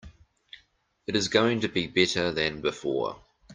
It is going to be better than before.